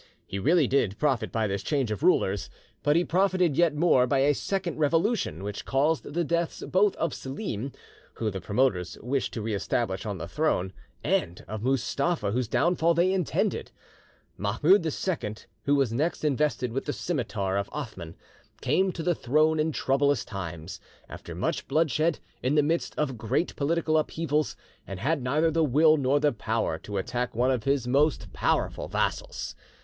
He really did profit by this change of rulers, but he profited yet more by a second revolution which caused the deaths both of Selim, whom the promoters wished to reestablish on the throne, and of Mustapha whose downfall they intended. Mahmoud II, who was next invested with the scimitar of Othman, came to the throne in troublous times, after much bloodshed, in the midst of great political upheavals, and had neither the will nor the power to attack one of his most powerful vassals.